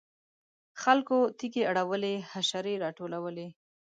خلکو تیږې اړولې حشرې راټولولې.